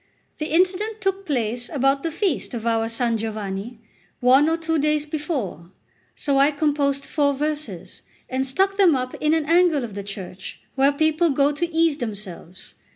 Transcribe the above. The incident took place about the feast of our San Giovanni, one or two days before; so I composed four verses, and stuck them up in an angle of the church where people go to ease themselves.